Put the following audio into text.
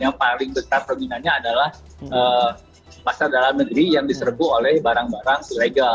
yang paling besar peminatnya adalah pasar dalam negeri yang diserbu oleh barang barang ilegal